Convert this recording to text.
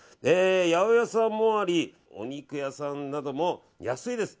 八百屋さんもありお肉屋さんなども安いです。